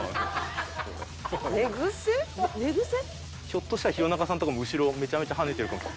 ひょっとしたら弘中さんとかも後ろめちゃめちゃはねてるかも。